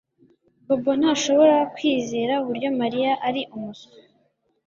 Bobo ntashobora kwizera uburyo Mariya ari umuswa